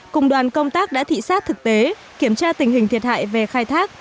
cùng đoàn công tác đã thị xát thực tế kiểm tra tình hình thiệt hại về khai thác